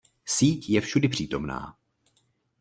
Síť je všudypřítomná.